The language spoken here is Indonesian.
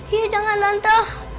iya jangan tante